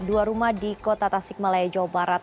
dua rumah di kota tasikmalaya jawa barat